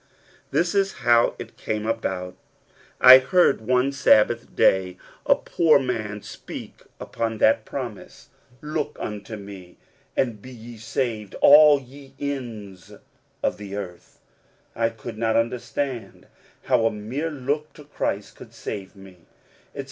This is how it came about : I heard, one Sabbath day, a poor man speak upon that promise, " Look unto me, and be ye saved, all ye ends of the earth." I could not understand how a mere look to Christ could save me.